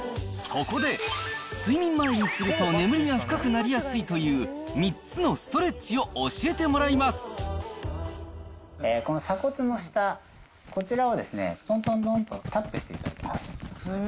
そこで、睡眠前にすると眠りが深くなりやすいという３つのストレッチを教この鎖骨の下、こちらをとんとんとんとタッチしていただきます。